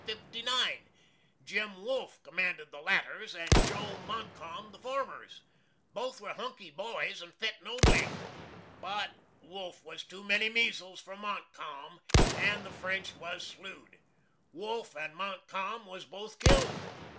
JIM WOLFE commanded the latters, and JO. MONTCALM the formers. Both were hunky boys, and fit nobly. But WOLFE was too many measles for MONTCALM, and the French was slew'd. WOLFE and MONTCALM was both killed.